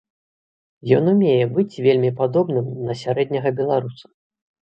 Ён умее быць вельмі падобным на сярэдняга беларуса.